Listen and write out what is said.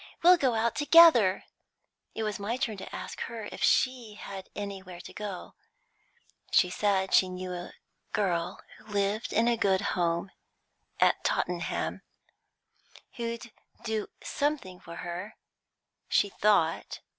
We'll go out together." It was my turn to ask her if she had anywhere to go to. She said she knew a girl who lived in a good home at Tottenham, and who'd do something for her, she thought.